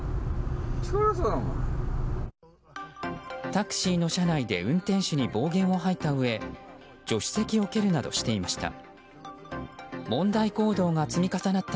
タクシーの車内で運転手に暴言を吐いたうえ助手席を蹴るなどしていました。